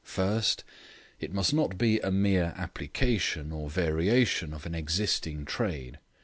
First, it must not be a mere application or variation of an existing trade.